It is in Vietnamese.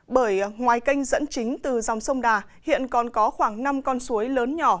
bởi ngoài kênh dẫn chính từ dòng sông đà hiện còn có khoảng năm con suối lớn nhỏ